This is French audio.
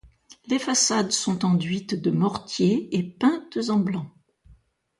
Les façades sont enduites de mortier et peintes en blanc.